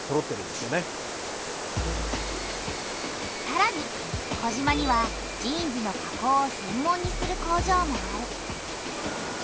さらに児島にはジーンズの加工を専門にする工場もある。